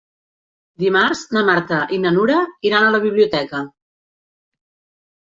Dimarts na Marta i na Nura iran a la biblioteca.